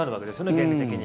原理的に。